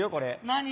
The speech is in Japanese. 何？